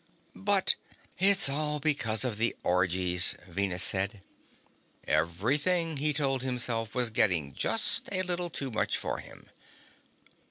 "But " "It's all because of the orgies," Venus said. Everything, he told himself, was getting just a little too much for him.